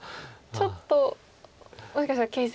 ちょっともしかしたら形勢。